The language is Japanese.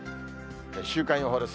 週間予報です。